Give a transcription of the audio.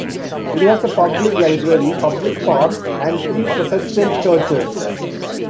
It has a public library, public park, and three Protestant churches.